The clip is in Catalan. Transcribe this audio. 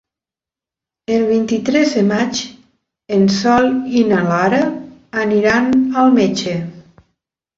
El vint-i-tres de maig en Sol i na Lara aniran al metge.